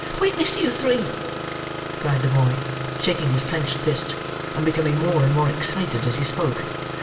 "Witness you three," cried the boy shaking his clenched fist, and becoming more and more excited as he spoke.